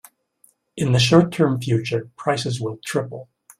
In the short term future, prices will triple.